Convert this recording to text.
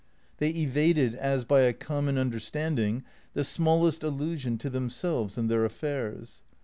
They evaded as by a common understanding the smallest allusion to themselves and their affairs.